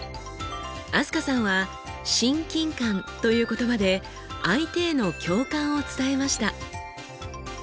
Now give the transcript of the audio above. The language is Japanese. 飛鳥さんは「親近感」という言葉で相手への共感を伝えました。